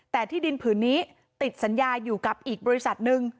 แต่ที่ดินผืนนี้ติดสัญญาอยู่กับอีกบริษัทหนึ่ง